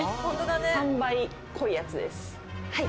３倍濃いやつです。